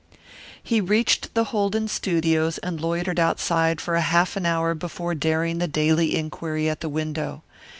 He reached the Holden studios and loitered outside for half an hour before daring the daily inquiry at the window.